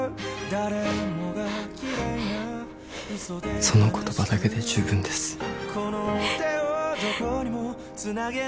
その言葉だけで十分です。